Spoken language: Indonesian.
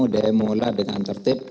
demolah dengan tertib